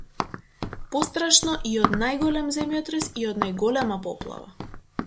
Пострашно и од најголем земјотрес и од најголема поплава!